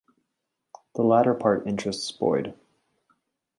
The latter part interests Boyd.